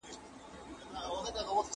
د پرمختګ لپاره نوې لارې څیړل کیږي.